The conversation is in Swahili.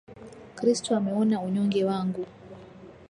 Kristo ameona unyonge wangu